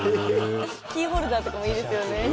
キーホルダーとかもいいですよね。